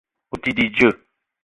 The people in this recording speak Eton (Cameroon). O te di dzeu